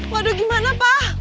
waduh gimana pa